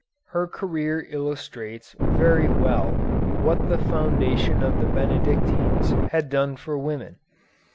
Her career illustrates very well what the foundation of the Benedictines had done for women.